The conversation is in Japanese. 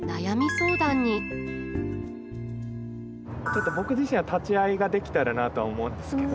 相談に僕自身は立ち会いができたらなとは思うんですけど。